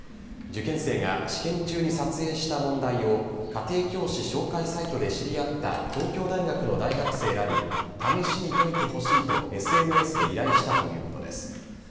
受験生が試験中に撮影した問題を、家庭教師照会サイトで知り合った東京大学の大学生らに試しに解いてほしいとＳＮＳで依頼したということです。